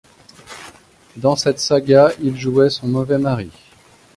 Dans cette saga, il jouait son mauvais mari.